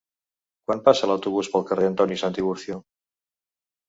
Quan passa l'autobús pel carrer Antoni Santiburcio?